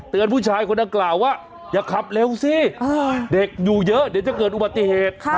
ผู้ชายคนดังกล่าวว่าอย่าขับเร็วสิเด็กอยู่เยอะเดี๋ยวจะเกิดอุบัติเหตุ